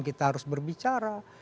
kita harus berbicara